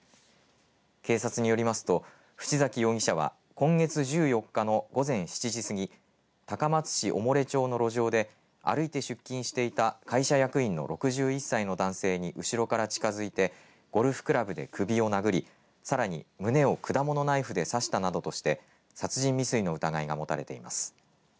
警察によりますと渕崎容疑者は今月１４日の午前７時すぎ高松市小村町の路上で歩いて出勤していた会社役員の６０歳の男性に後ろから近づいてゴルフクラブで首を殴りさらに胸を果物ナイフで刺したなどとして殺人未遂の疑いが持たれています。